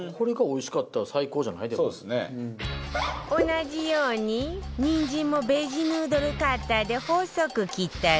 同じようににんじんもベジヌードルカッターで細く切ったら